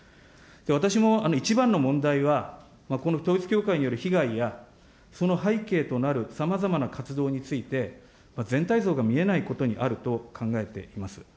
私も一番の問題は、この統一教会による被害や、その背景となるさまざまな活動について、全体像が見えないことにあると考えています。